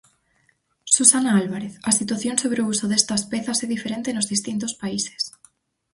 Susana Álvarez, a situación sobre o uso destas pezas é diferente nos distintos países...